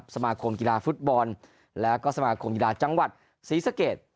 สมาคมกีฬาฟุตบอลและก็สมาคมกีฬาจังหวัดศรีสะเกด